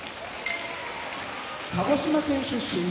鹿児島県出身